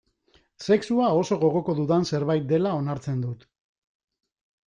Sexua oso gogoko dudan zerbait dela onartzen dut.